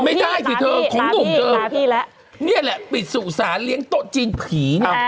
ไม่ได้สิเธอของหนุ่มเธอนี่แหละปิดสุสานเลี้ยงโต๊ะจีนผี